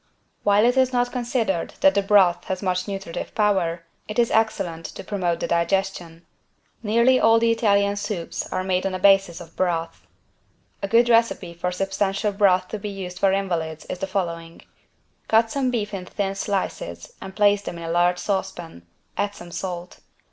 While it is not considered that the broth has much nutritive power, it is excellent to promote the digestion. Nearly all the Italian soups are made on a basis of broth. A good recipe for substantial broth to be used for invalids is the following: Cut some beef in thin slices and place them in a large saucepan; add some salt.